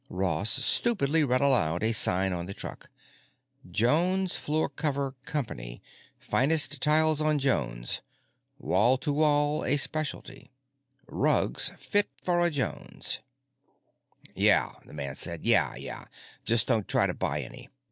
Ross stupidly read aloud a sign on the truck: "Jones Floor Cover Company. Finest Tile on Jones. Wall to Wall a Specialty. 'Rugs Fit For a Jones'." "Yeah," the man said. "Yeah, yeah. Just don't try to buy any.